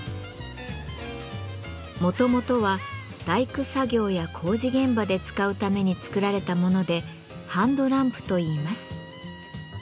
もともとは大工作業や工事現場で使うために作られたもので「ハンドランプ」といいます。